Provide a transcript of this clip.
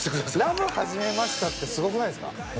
『ＬＯＶＥはじめました』ってすごくないですか？